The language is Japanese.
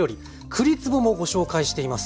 栗つぼもご紹介しています。